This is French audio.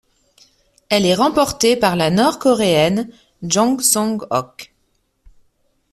Elle est remportée par la Nord-Coréenne Jong Song-Ok.